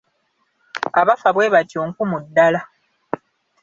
Abafa bwe batyo nkumu ddala.